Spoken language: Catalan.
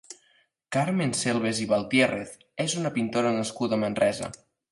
Carmen Selves i Baltiérrez és una pintora nascuda a Manresa.